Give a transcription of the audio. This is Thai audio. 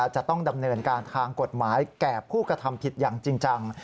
จะต้องดำเนินการทางกฎหมายแก่ผู้กระทำผิดอย่างจริงจัง